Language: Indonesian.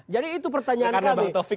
jadi itu pertanyaan kami